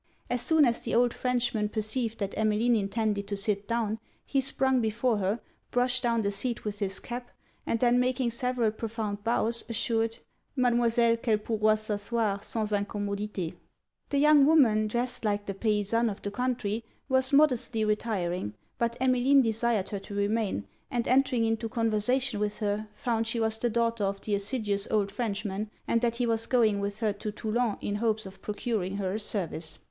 As soon as the old Frenchman perceived that Emmeline intended to sit down, he sprung before her, brushed down the seat with his cap, and then making several profound bows, assured 'Mademoiselle qu'elle pourroit s'asseoir sans incommodité.' The young woman, dressed like the paisannes of the country, was modestly retiring; but Emmeline desired her to remain; and entering into conversation with her, found she was the daughter of the assiduous old Frenchman, and that he was going with her to Toulon in hopes of procuring her a service.